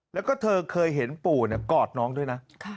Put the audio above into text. แล้วก็เธอเคยเห็นปู่กอดน้องด้วยนะ